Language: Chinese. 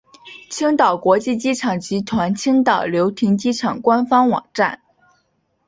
青岛国际机场集团青岛流亭机场官方网站